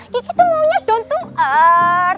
kiki tuh maunya don't to art